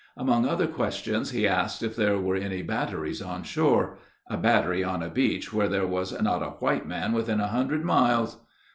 Among other questions he asked if there were any batteries on shore a battery on a beach where there was not a white man within a hundred miles!